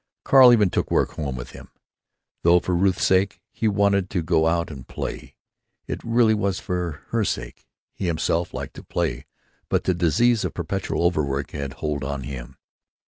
Carl even took work home with him, though for Ruth's sake he wanted to go out and play. It really was for her sake; he himself liked to play, but the disease of perpetual overwork had hold of him.